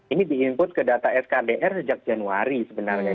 ini di input ke data skdr sejak januari sebenarnya